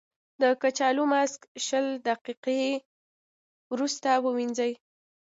د کچالو ماسک شل دقیقې وروسته ووينځئ.